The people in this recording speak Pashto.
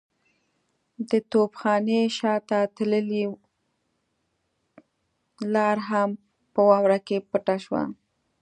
د توپخانې شاته تللې لار هم په واورو کې پټه شوه.